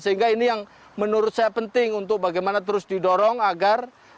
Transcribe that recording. sehingga ini yang menurut saya penting untuk bagaimana terus didorong agar